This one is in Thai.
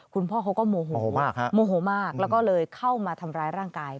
คุณพ่อเขาก็โมโหมากโมโหมากแล้วก็เลยเข้ามาทำร้ายร่างกาย